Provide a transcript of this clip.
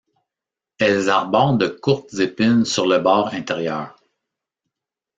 Elles arborent de courtes épines sur le bord intérieur.